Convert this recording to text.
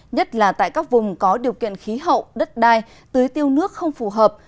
nhất là tại các vùng có điều kiện khí hậu đất đai tưới tiêu nước không phù hợp